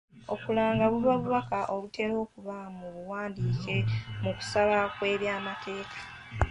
Okulanga buba bubaka obutera okuba mu buwandiike mu kusaba kw'ebyamateeka.